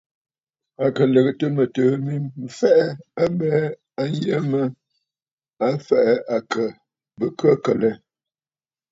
À kɨ lɨ̀gɨtə̀ mɨtɨ̀ɨ̂ mi mbɨɨnə̀ m̀fɛ̀ʼɛ̀ abɛɛ a yə mə a fɛ̀ʼɛ akə bə khə̂kə̀ lɛ.